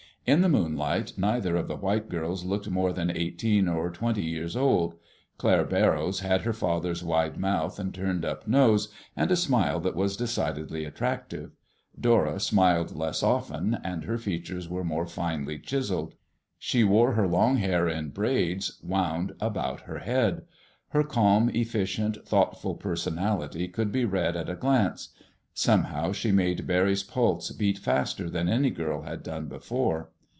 In the moonlight neither of the white girls looked more than eighteen or twenty years old. Claire Barrows had her father's wide mouth and turned up nose, and a smile that was decidedly attractive. Dora smiled less often, and her features were more finely chiseled. She wore her long hair in braids wound about her head. Her calm, efficient, thoughtful personality could be read at a glance. Somehow she made Barry's pulse beat faster than any girl had done before.